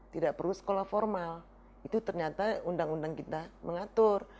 tidak perlu sekolah formal itu ternyata undang undang kita mengatur